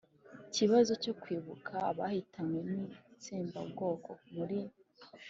kibazo cyo kwibuka abahitanwe n'itsembabwoko, muri